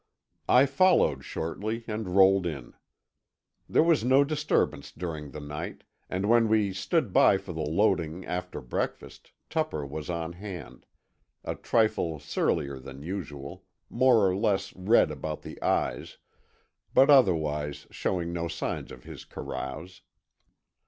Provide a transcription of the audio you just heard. I followed shortly, and rolled in. There was no disturbance during the night, and when we stood by for the loading after breakfast Tupper was on hand, a trifle surlier than usual, more or less red about the eyes, but otherwise showing no signs of his carouse.